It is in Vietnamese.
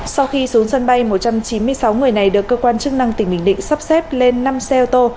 sau khi xuống sân bay một trăm chín mươi sáu người này được cơ quan chức năng tỉnh bình định sắp xếp lên năm xe ô tô